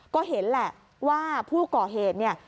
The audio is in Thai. ก็เห็นแหละว่าผู้ก่อเหตุเนี่ย